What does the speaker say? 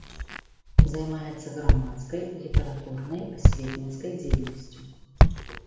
Займаецца грамадскай, літаратурнай, асветніцкай дзейнасцю.